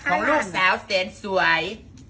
ของลูกแซวเซสสวย